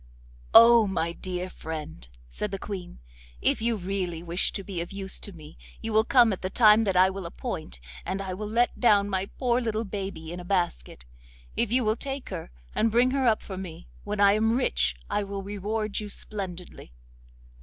'Oh! my dear friend,' said the Queen. 'If you really wish to be of use to me you will come at the time that I will appoint, and I will let down my poor little baby in a basket. If you will take her, and bring her up for me, when I am rich I will reward you splendidly.